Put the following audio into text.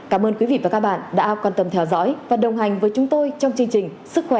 cảm ơn quý vị và các bạn đã quan tâm theo dõi và đồng hành với chúng tôi trong chương trình sức khỏe ba trăm sáu mươi năm